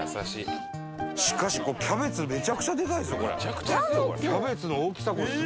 しかしこのキャベツめちゃくちゃでかいですねこれ。